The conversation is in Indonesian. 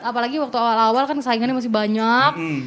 apalagi waktu awal awal kan saingannya masih banyak